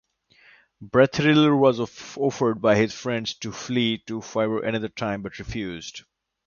Berthelier was offered by his friends to flee to Fribourg another time, but refused.